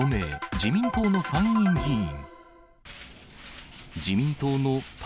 自民党の参院議員。